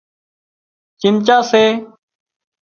چمچا سي